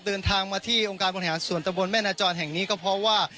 เดินทางมาที่องค์การบริหารส่วนตะบนแม่นาจรแห่งนี้ก็เพราะว่า